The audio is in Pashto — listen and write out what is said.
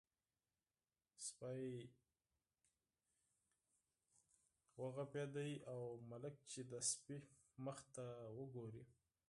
سپی وغړمبېد او ملک چې د سپي څېرې ته وګوري.